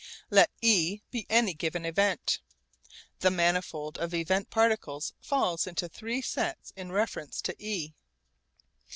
Let e be any given event. The manifold of event particles falls into three sets in reference to e.